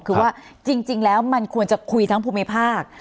คือว่าจริงแล้วมันควรจะคุยทั้งภูมิภาค